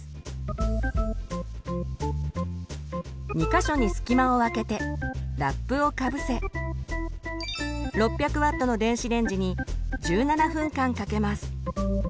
２か所に隙間をあけてラップをかぶせ６００Ｗの電子レンジに１７分間かけます。